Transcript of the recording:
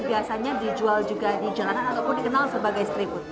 biasanya dijual juga di jalanan ataupun dikenal sebagai street food